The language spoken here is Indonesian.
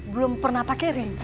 belum pernah pakirin